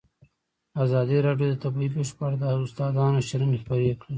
ازادي راډیو د طبیعي پېښې په اړه د استادانو شننې خپرې کړي.